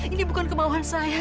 ini bukan kemauan saya